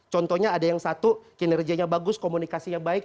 contohnya ada yang satu kinerjanya bagus komunikasinya baik